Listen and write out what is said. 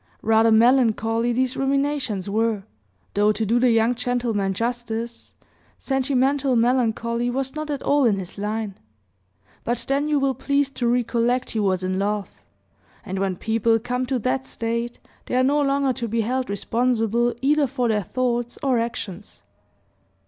Rather melancholy these ruminations were, though to do the young gentleman justice, sentimental melancholy was not at all in his line; but then you will please to recollect he was in love, and when people come to that state, they are no longer to be held responsible either for their thoughts or actions.